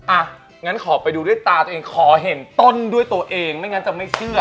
อ่ะงั้นขอไปดูด้วยตาตัวเองขอเห็นต้นด้วยตัวเองไม่งั้นจะไม่เชื่อ